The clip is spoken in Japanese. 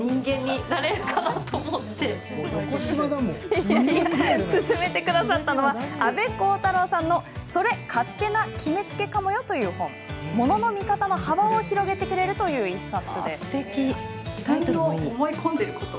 三浦さんがすすめてくださったのは阿部広太郎さんの「それ、勝手な決めつけかもよ？」という、ものの見方の幅を広げてくれるという１冊。